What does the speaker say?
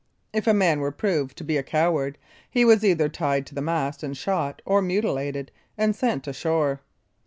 If a man were proved to be a coward he was either tied to the mast, and shot, or mutilated, and sent ashore.